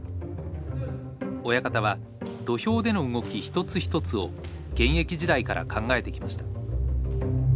親方は土俵での動き一つ一つを現役時代から考えてきました。